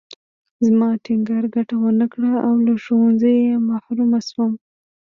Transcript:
زما ټینګار ګټه ونه کړه او له ښوونځي محرومه شوم